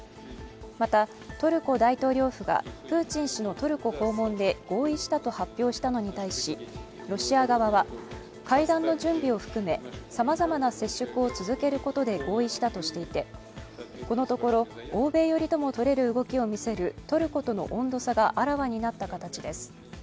また、トルコ大統領府がプーチン氏のトルコ訪問で合意したと発表したのに対しロシア側は会談の準備を含めさまざまな接触を続けることで合意したとしていてこのところ欧米寄りともとれる動きを見せるトルコとの温度差があらわになった形です。